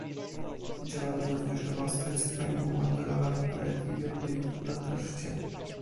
Widziałem również demonstracje pani umundurowanej partii Jobbik w Budapeszcie